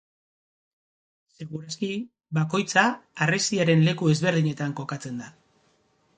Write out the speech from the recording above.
Segur aski, bakoitza harresiaren leku ezberdinetan kokatzen da.